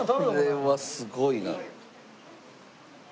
これはすごいな。